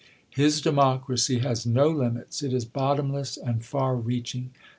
His democracy has no limits; it is bottom less and far reaching.